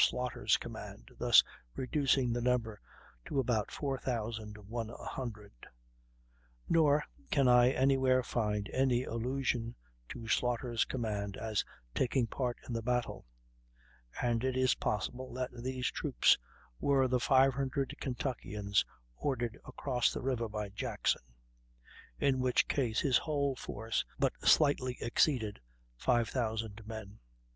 Slaughter's command, thus reducing the number to about 4,100. Nor can I anywhere find any allusion to Slaughter's command as taking part in the battle; and it is possible that these troops were the 500 Kentuckians ordered across the river by Jackson; in which case his whole force but slightly exceeded 5,000 men.